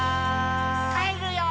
「帰るよー」